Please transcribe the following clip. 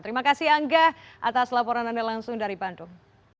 terima kasih angga atas laporan anda langsung dari bandung